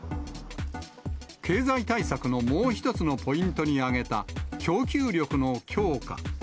経済対策のもう一つのポイントに挙げた供給力の強化。